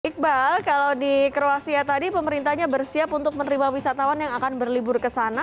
iqbal kalau di kroasia tadi pemerintahnya bersiap untuk menerima wisatawan yang akan berlibur ke sana